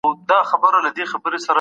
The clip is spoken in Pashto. د حکومت رول د اقتصاد کي مهم دی.